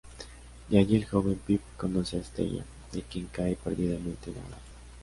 Allí el joven Pip conoce a Estella, de quien cae perdidamente enamorado.